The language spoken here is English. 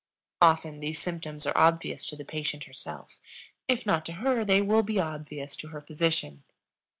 Often these symptoms are obvious to the patient herself; if not to her, they will be obvious to her physician.